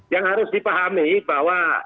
yang harus dipahami bahwa